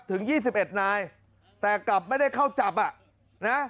ถึง๒๑นายแต่กลับไม่ได้เข้าจับอ่ะนะ